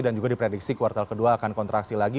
dan juga diprediksi kuartal kedua akan kontraksi lagi